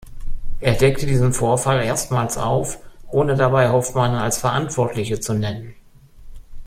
Er deckte diesen Vorfall erstmals auf, ohne dabei Hofmann als Verantwortliche zu nennen.